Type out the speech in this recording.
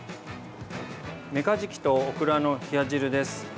メカジキとオクラの冷や汁です。